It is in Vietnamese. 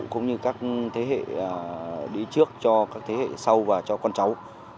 cũng như các thế hệ đi trước cho các thế hệ sau và cho con cháu